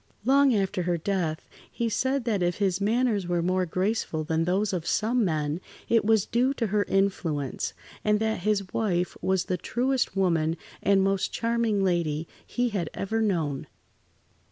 Long after her death he said that if his manners were more graceful than those of some men, it was due to her influence, and that his wife was the truest woman, and most charming lady he had ever known.